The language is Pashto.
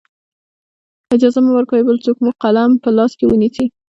اجازه مه ورکوئ بل څوک مو قلم په لاس کې ونیسي.